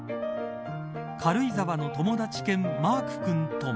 軽井沢の友達犬、マーク君とも。